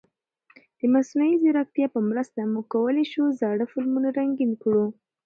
د مصنوعي ځیرکتیا په مرسته موږ کولای شو زاړه فلمونه رنګین کړو.